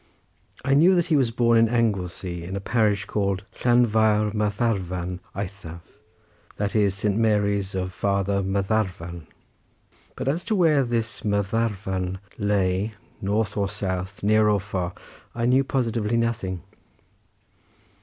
I knew that he was born in Anglesey in a parish called Llanfair Mathafarn eithaf, that is St. Mary's of farther Mathafarn—but as to where this Mathafarn lay, north or south, near or far, I knew positively nothing.